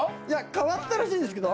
変わったらしいんですけど。